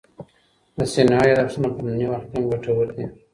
د سینوهه یاداښتونه په ننني وخت کي هم ګټور دي.